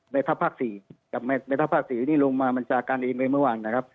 แม่ภาพภาคศรีแม่ภาพภาคศรีนี้ลงมามันจากการเรียนไว้เมื่อวานนะครับ